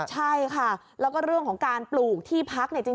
ใช่ค่ะแล้วก็เรื่องของการปลูกที่พักเนี่ยจริง